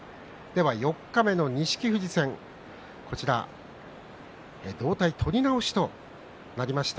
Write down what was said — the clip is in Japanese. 四日目の錦富士戦同体取り直しとなりました